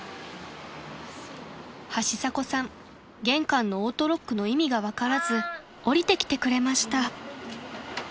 玄関のオートロックの意味が分からずおりてきてくれました］